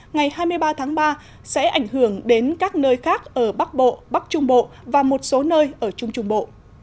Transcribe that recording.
ngày hai mươi ba tháng ba sẽ ảnh hưởng đến các nơi khác ở bắc bộ bắc trung bộ và một số nơi ở trung trung bộ